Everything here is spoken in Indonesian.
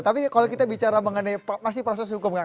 tapi kalau kita bicara mengenai proses hukum